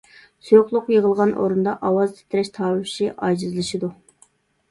سۇيۇقلۇق يىغىلغان ئورۇندا ئاۋاز تىترەش تاۋۇشى ئاجىزلىشىدۇ.